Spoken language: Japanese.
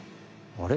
あれ？